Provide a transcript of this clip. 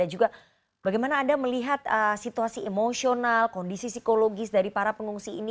juga bagaimana anda melihat situasi emosional kondisi psikologis dari para pengungsi ini